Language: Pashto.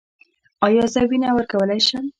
ایا زه وینه ورکولی شم؟